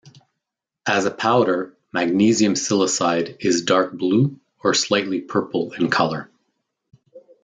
As a powder magnesium silicide is dark blue or slightly purple in color.